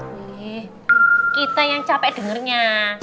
kita yang capek dengernya